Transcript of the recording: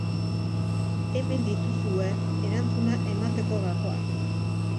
Hemen dituzue erantzuna emateko gakoak.